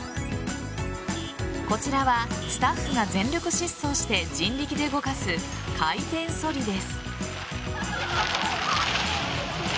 こちらはスタッフが全力疾走して人力で動かす回転ソリです。